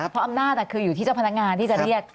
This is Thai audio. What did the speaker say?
เพราะอำนาจคืออยู่ที่เจ้าพนักงานที่จะเรียก